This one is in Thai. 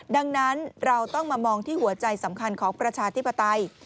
ดังนั้นเราต้องมามองที่หัวใจสำคัญของประชาธิปไตย